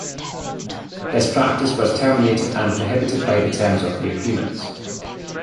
This practice was terminated and prohibited by the terms of the agreement.